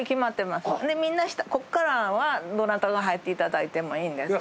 でここからはどなたが入っていただいてもいいんですけど。